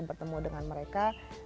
bertemu dengan mereka